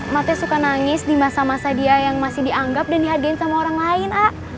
emak teh suka nangis di masa masa dia yang masih dianggap dan dihadain sama orang lain